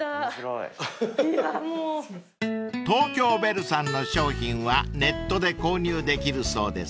［東京ベルさんの商品はネットで購入できるそうです］